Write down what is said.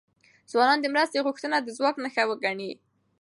ځوانان د مرستې غوښتنه د ځواک نښه وګڼي.